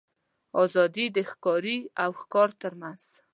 آزادي د ښکاري او ښکار تر منځ.